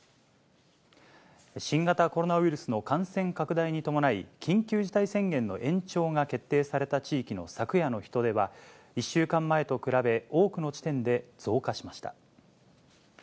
新型コロナウイルスの感染拡大に伴い、緊急事態宣言の延長が決定された地域の昨夜の人出は、１週間前と比べ、多くの地点で増加しました。